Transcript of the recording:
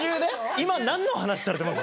今何の話されてます？